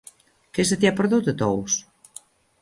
Què se t'hi ha perdut, a Tous?